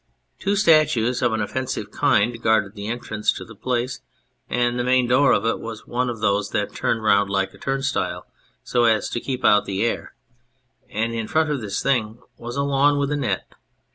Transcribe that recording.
Two statues of an offensive kind guarded the entrance to the place, and the main door of it was one of those that turn round like a turnstile so as to keep out the air ; and in front of this thing was a lawn with a net.